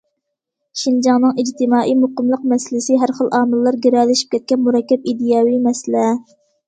شىنجاڭنىڭ ئىجتىمائىي مۇقىملىق مەسىلىسى ھەر خىل ئامىللار گىرەلىشىپ كەتكەن مۇرەككەپ ئىدىيەۋى مەسىلە.